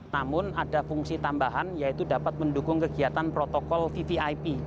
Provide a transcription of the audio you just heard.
namun ada fungsi tambahan yaitu dapat mendukung kegiatan protokol vvip